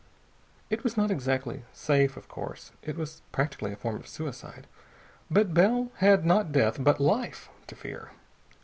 It was not exactly safe, of course. It was practically a form of suicide. But Bell had not death, but life to fear.